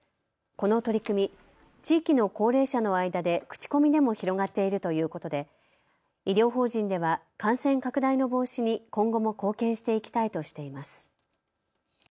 この取り組み、地域の高齢者の間で口コミでも広がっているということで医療法人では感染拡大の防止に今後も貢献していきたいとしています。